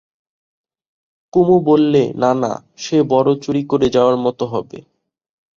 কুমু বললে, না, না, সে বড়ো চুরি করে যাওয়ার মতো হবে।